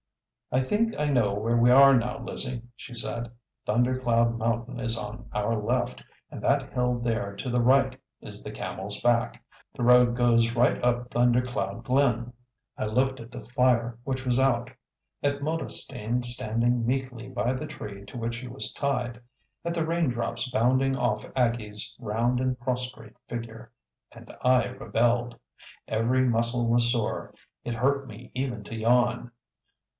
"I think I know where we are now, Lizzie," she said. "Thunder Cloud Mountain is on our left, and that hill there to the right is the Camel's Back. The road goes right up Thunder Cloud Glen." I looked at the fire, which was out; at Modestine, standing meekly by the tree to which he was tied; at the raindrops bounding off Aggie's round and prostrate figure and I rebelled. Every muscle was sore; it hurt me even to yawn.